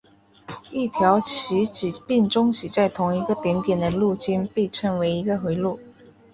一条起始并终止在同一个顶点的路径被称为一个回路。